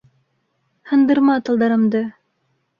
Һындырма талдарымды